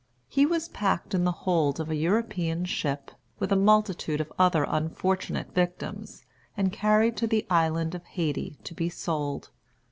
He was packed in the hold of a European ship, with a multitude of other unfortunate victims, and carried to the island of Hayti to be sold.